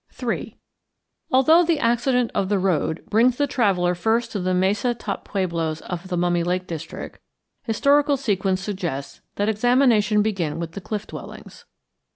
III Although the accident of the road brings the traveller first to the mesa top pueblos of the Mummy Lake district, historical sequence suggests that examination begin with the cliff dwellings.